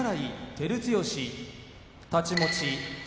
照強太刀持ち宝